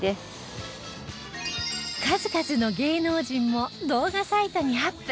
数々の芸能人も動画サイトにアップ